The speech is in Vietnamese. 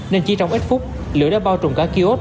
nên chỉ trong ít phút lửa đã bao trùm cả kiosk